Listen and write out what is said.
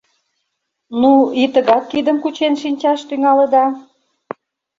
— Ну и тыгак кидым кучен шинчаш тӱҥалыда?